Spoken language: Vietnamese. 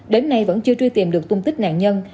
đến nay vẫn chưa truy tìm được tung tích nạn nhân